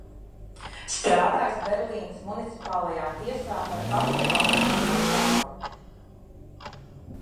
Strādājis Berlīnes municipālajā tiesā par advokātu un notāru.